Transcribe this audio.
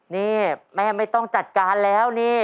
นี่แม่ไม่ต้องจัดการแล้วนี่